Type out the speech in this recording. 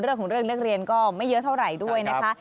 เรื่องของเรื่องนักเรียนก็ไม่เยอะเท่าไหร่ด้วยนะคะ